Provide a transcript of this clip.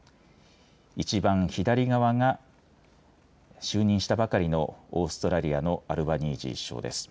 一番左側が、就任したばかりのオーストラリアのアルバニージー首相です。